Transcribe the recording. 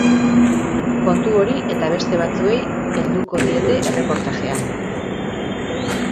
Kontu hori eta beste batzuei helduko diete erreportajean.